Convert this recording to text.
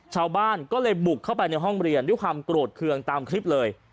ชาวบ้านก็เลยบุกเข้าไปในห้องเรียนด้วยความโกรธเครื่องตามคลิปเลย